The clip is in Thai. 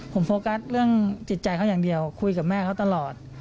ผมโฟกัสเรื่องจิตใจเขาอย่างเดียวคุยกับแม่เขาตลอด